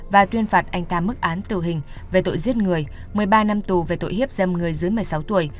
và tuyên phạt anh ta mức án tử hình về tội giết người một mươi ba năm tù về tội hiếp dâm người dưới một mươi sáu tuổi